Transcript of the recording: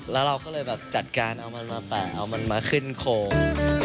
แล้วเราก็เลยแบบจัดการเอามันมาแปะเอามันมาขึ้นโครง